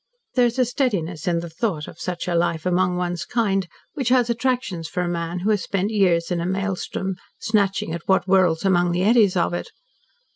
There's a steadiness in the thought of such a life among one's kind which has attractions for a man who has spent years in a maelstrom, snatching at what whirls among the eddies of it.